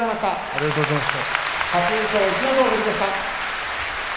ありがとうございます。